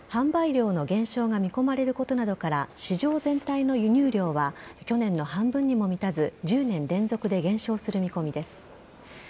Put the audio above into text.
また、価格高騰で販売量の減少が見込まれることなどから市場全体の輸入量は去年の半分にも満たず１０年連続で減少する見込みです。